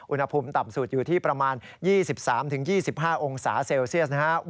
อุณหภูมิต่ำสุดอยู่ที่ประมาณ๒๓๒๕องศาเซลเซียสนะครับ